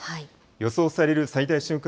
予想される最大瞬間